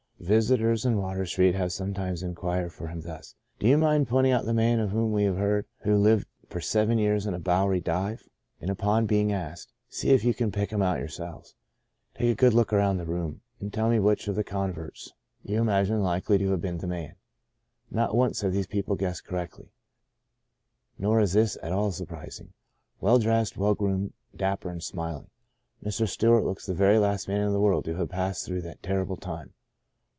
" Visitors in Water Street have sometimes inquired for him thus :Do you mind pointing out the man of whom we have heard, who lived for seven years in a Bowery 5 2 De Profundis dive ?" And upon being asked, " See if you can pick him out yourselves. Take a good look around the room, and tell me which of the converts you imagine likely to have been the man," not once have these people guessed correctly. Nor is this at all surprising. Well dressed, well groomed, dapper and smiling, Mr. Stewart looks the very last man in the world to have passed through that terrible time.